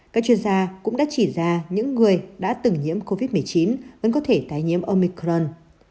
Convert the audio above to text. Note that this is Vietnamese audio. các chuyên gia cũng đã chỉ ra những người đã từng nhiễm covid một mươi chín vẫn có thể tái nhiễm omicron